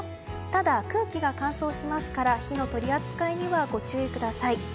ただ、空気が乾燥しますから火の取り扱いにはご注意ください。